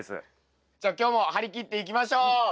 じゃ今日も張り切っていきましょう。